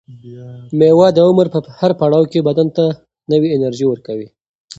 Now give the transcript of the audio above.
مېوه د عمر په هر پړاو کې بدن ته نوې انرژي ورکوي.